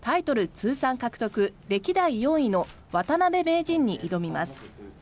通算獲得歴代４位の渡辺名人に挑みます。